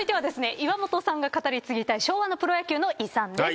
岩本さんが語り継ぎたい昭和のプロ野球の遺産です。